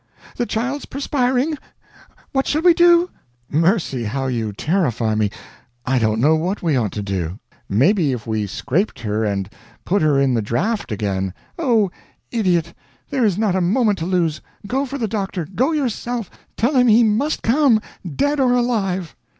The child's perspiring! What shall we do?" "Mercy, how you terrify me! I don't know what we ought to do. Maybe if we scraped her and put her in the draft again " "Oh, idiot! There is not a moment to lose! Go for the doctor. Go yourself. Tell him he must come, dead or alive."